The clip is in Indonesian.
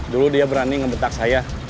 dulu dia berani ngebetak saya